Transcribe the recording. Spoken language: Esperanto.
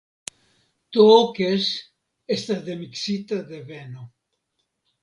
Tookes estas de miksita deveno.